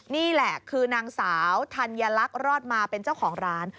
นี่แหละคือนางสาวธัญลักษณ์รอดมาเป็นเจ้าของร้าน